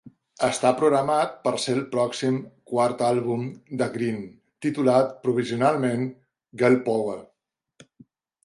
Està programat per ser el pròxim quart àlbum de Green, titulat provisionalment "Girl Power".